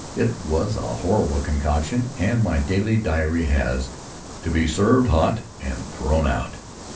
It was a horrible concoction and my diary has: "To be served hot and thrown out."